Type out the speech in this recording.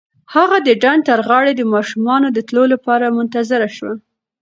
هغه د ډنډ تر غاړې د ماشومانو د تلو لپاره منتظره شوه.